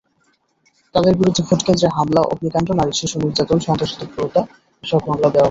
তাঁদের বিরুদ্ধে ভোটকেন্দ্রে হামলা, অগ্নিকাণ্ড, নারী-শিশু নির্যাতন, সন্ত্রাসী তৎপরতা—এসব মামলা দেওয়া হচ্ছে।